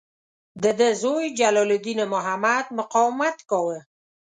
د ده زوی جلال الدین محمد مقاومت کاوه.